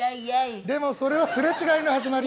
でも、それはすれ違いの始まり。